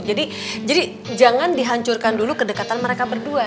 jadi jangan dihancurkan dulu kedekatan mereka berdua